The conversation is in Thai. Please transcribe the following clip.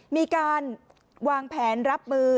มีการวางแผนรับมือ